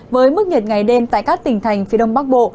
với mức nhiệt ngày đêm tại các tỉnh thành phía đông bắc bộ